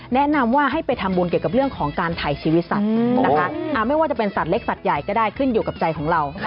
แนะนำว่าให้ไปทำบุญเกี่ยวกับเรื่องของการถ่ายชีวิตสัตว์นะคะไม่ว่าจะเป็นสัตว์เล็กสัตว์ใหญ่ก็ได้ขึ้นอยู่กับใจของเรา